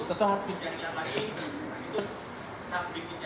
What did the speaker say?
tetap harus dijarin lagi